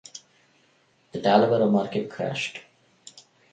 The Talavera market crashed.